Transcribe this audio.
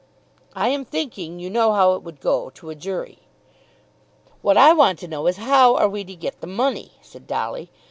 "I am thinking you know how it would go to a jury." "What I want to know is how we are to get the money," said Dolly.